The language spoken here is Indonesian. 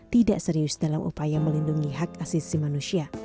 tidak serius dalam upaya melindungi hak asasi manusia